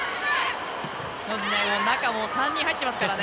中も３人入ってますからね。